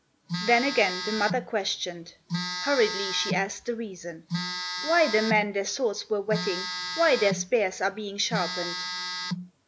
Then again the mother questioned, Hurriedly she asked the reason: "Why the men their swords were whetting, Why their spears are being sharpened."